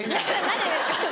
何でですか。